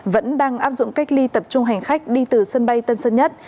vẫn đang áp dụng cách ly tập trung hành khách đi từ sân bay tân sơn nhất